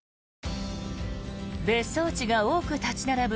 別荘地が多く立ち並ぶ